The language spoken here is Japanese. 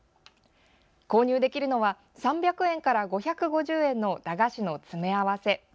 購入できるのは３００円から５５０円の駄菓子の詰め合わせ。